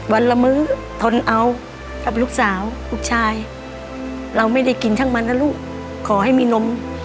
ละมื้อทนเอากับลูกสาวลูกชายเราไม่ได้กินทั้งมันนะลูกขอให้มีนม